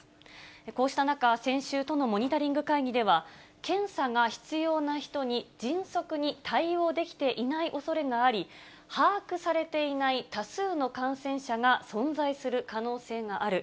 こうした中、先週、都のモニタリング会議では、検査が必要な人に迅速に対応できていないおそれがあり、把握されていない多数の感染者が存在する可能性がある。